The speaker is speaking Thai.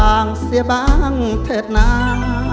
ไม่วางเสียบางเทศนา